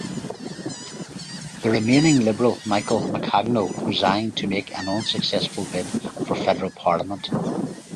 The remaining Liberal, Michael Maccagno, resigned to make an unsuccessful bid for federal parliament.